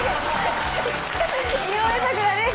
井上咲楽です